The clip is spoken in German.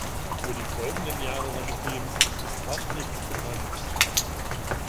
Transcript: Über die folgenden Jahre seines Lebens ist fast nichts bekannt.